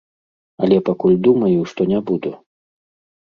Але пакуль думаю, што не буду.